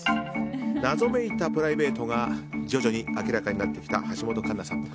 謎めいたプライベートが徐々に明らかになってきた橋本環奈さん。